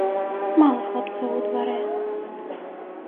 Мала хлапцоў у дварэ.